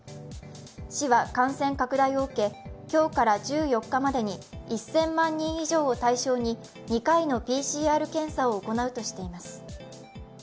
市は感染拡大を受け、今日から１４日までに１０００万人以上を対象に２回のＰＣＲ検査を行うとしています。